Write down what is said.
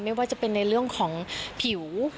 ไม่ว่าจะเป็นในเรื่องของผิว